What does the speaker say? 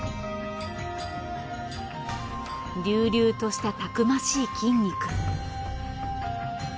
隆々としたたくましい筋肉。